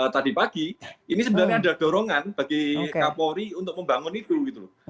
tadi pagi ini sebenarnya ada dorongan bagi kapolri untuk membangun itu gitu loh